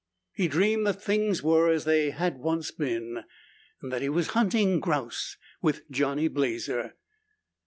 He dreamed that things were as they had once been and that he was hunting grouse with Johnny Blazer.